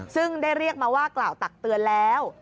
ซึ่งได้เรียกมาว่ากล่าวตักเตือนแล้ว